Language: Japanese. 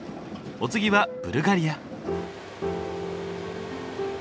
お次はブルガリア。